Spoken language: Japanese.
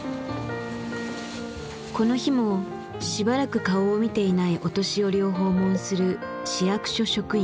この日もしばらく顔を見ていないお年寄りを訪問する市役所職員。